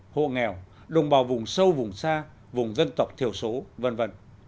hộ nghèo đồng bào vùng sâu vùng xa vùng dân tộc thiểu số v v